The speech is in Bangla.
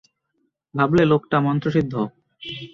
ভাবলে লোকটা মন্ত্রসিদ্ধ।